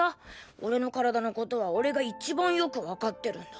俺の身体のことは俺が一番よくわかってるんだ。